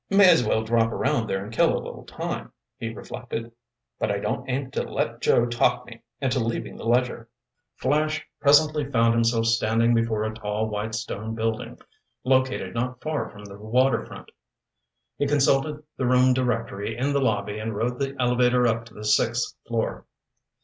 "May as well drop around there and kill a little time," he reflected. "But I don't aim to let Joe talk me into leaving the Ledger." Flash presently found himself standing before a tall white stone building located not far from the waterfront. He consulted the room directory in the lobby and rode the elevator up to the sixth floor.